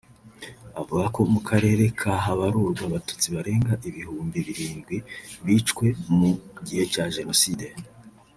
avuga ko mu karere ka habarurwa Abatutsi barenga ibihumbi birindwi bicwe mu gihe cya Jenoside